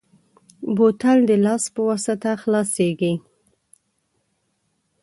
بوتل د لاس په واسطه خلاصېږي.